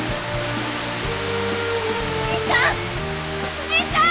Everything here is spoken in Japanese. お兄ちゃん！